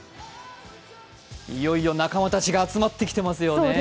いよいよ仲間たちが集まってきていますよね。